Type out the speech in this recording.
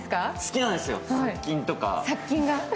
好きなんですよ、殺菌とか。